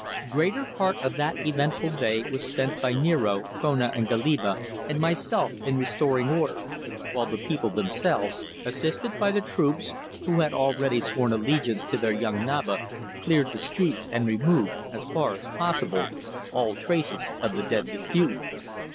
Greater part of that eventful day was spent by Niaro, Kona, Goliba and myself in restoring order, while the people themselves, assisted by the troops, who had already sworn allegiance to their young Naba, cleared the streets and removed, as far as possible, all traces of the deadly feud.